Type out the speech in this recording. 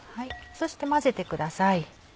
そして混ぜてください。